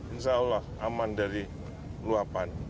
insya allah aman dari luapan